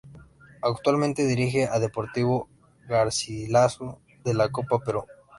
Actualmente dirige a Deportivo Garcilaso de la Copa Perú.